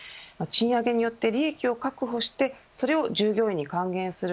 賃上げによって利益を確保してそれを従業員に還元する